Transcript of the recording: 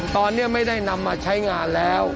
ตอนนี้ไม่ได้นำมาใช้งานแล้ว